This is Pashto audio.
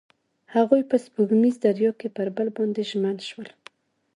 هغوی په سپوږمیز دریا کې پر بل باندې ژمن شول.